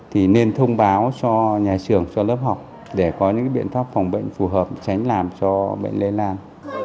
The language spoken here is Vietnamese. thì nên thông báo cho nhà trường cho lớp học để có những biện pháp phòng bệnh phù hợp tránh làm cho bệnh lây lan